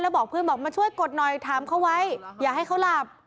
บอกเพื่อนบอกมาช่วยกดหน่อยถามเขาไว้อย่าให้เขาหลับ